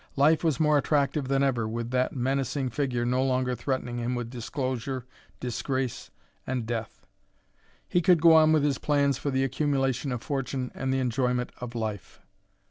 Life was more attractive than ever with that menacing figure no longer threatening him with disclosure, disgrace, and death. He could go on with his plans for the accumulation of fortune and the enjoyment of life.